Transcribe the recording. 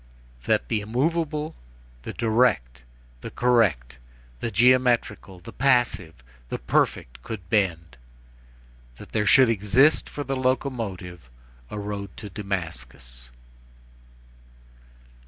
that the immovable, the direct, the correct, the geometrical, the passive, the perfect, could bend! that there should exist for the locomotive a road to Damascus!